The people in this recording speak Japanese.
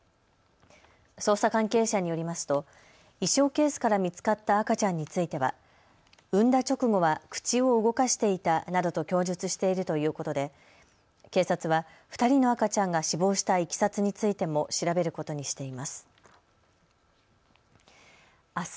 捜査関係者によりますと衣装ケースから見つかった赤ちゃんについては産んだ直後は口を動かしていたなどと供述しているということで警察は２人の赤ちゃんが死亡したいきさつについても調べることにしています。